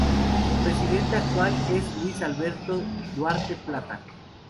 Su presidente actual es Luis Alberto Duarte Plata.